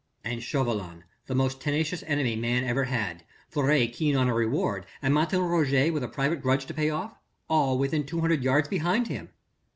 And Chauvelin, the most tenacious enemy man ever had, Fleury keen on a reward and Martin Roget with a private grudge to pay off, all within two hundred yards behind him.